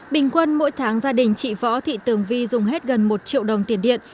bình quân mỗi tháng gia đình chị võ thị tường vi dùng hết gần một triệu đồng tiền điện